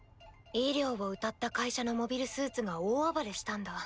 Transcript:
医療をうたった会社のモビルスーツが大暴れしたんだ。